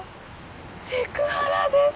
セクハラです。